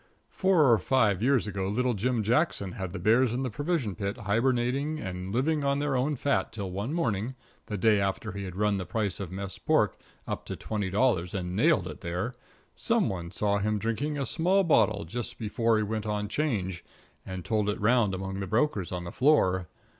Four or five years ago little Jim Jackson had the bears in the provision pit hibernating and living on their own fat till one morning, the day after he had run the price of mess pork up to twenty dollars and nailed it there, some one saw him drinking a small bottle just before he went on 'Change, and told it round among the brokers on the floor.